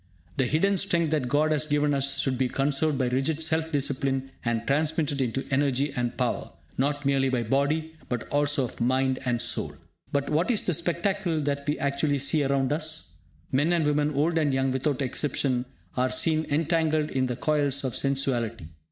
The hidden strength that God has given us should be conserved by rigid self discipline, and transmitted into energy and power, not merely of body, but also of mind and soul. But what is the spectacle that we actually see around us? Men and women, old and young, without exception, are seen entangled in the coils of sensuality.